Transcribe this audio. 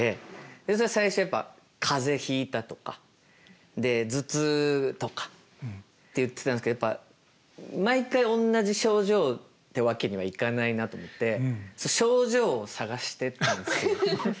それは最初やっぱ「風邪ひいた」とか「頭痛」とかって言ってたんですけどやっぱ毎回同じ症状ってわけにはいかないなと思って症状を探してったんですよ。